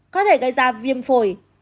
có thể gây ra viêm phổi